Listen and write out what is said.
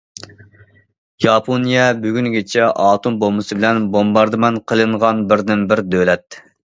ياپونىيە بۈگۈنگىچە ئاتوم بومبىسى بىلەن بومباردىمان قىلىنغان بىردىنبىر دۆلەت.